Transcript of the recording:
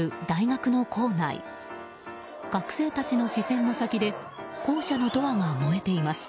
学生たちの視線の先で校舎のドアが燃えています。